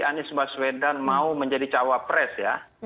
anies baswedan mau menjadi cawapres ya